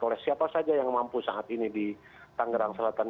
oleh siapa saja yang mampu saat ini di tangerang selatan